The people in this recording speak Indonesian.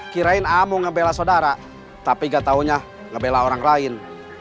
kirain kamu ngebela saudara tapi gak taunya ngebela orang lain